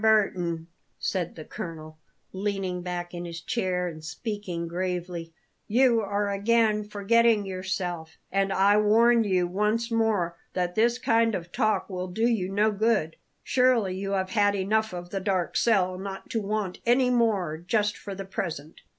Burton," said the colonel, leaning back in his chair and speaking gravely, "you are again forgetting yourself; and I warn you once more that this kind of talk will do you no good. Surely you have had enough of the dark cell not to want any more just for the present.